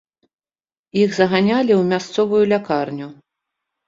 Іх заганялі ў мясцовую лякарню.